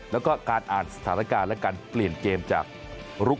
แล้วก็การอ่านสถานการณ์และการเปลี่ยนเกมจากลุก